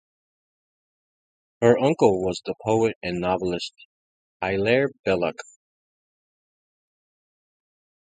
Her uncle was the poet and novelist Hilaire Belloc.